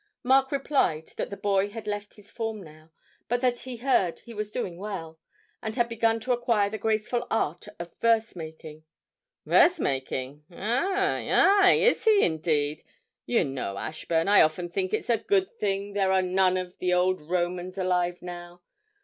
Mark replied that the boy had left his form now, but that he heard he was doing well, and had begun to acquire the graceful art of verse making. 'Verse making? ay, ay; is he indeed? You know, Ashburn, I often think it's a good thing there are none of the old Romans alive now.